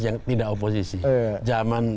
yang tidak oposisi zaman